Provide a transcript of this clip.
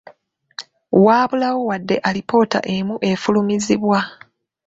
Waabulawo wadde alipoota emu efulumizibwa.